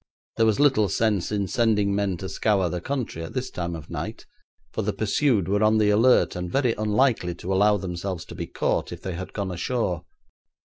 There was little sense in sending men to scour the country at this time of night, for the pursued were on the alert, and very unlikely to allow themselves to be caught if they had gone ashore.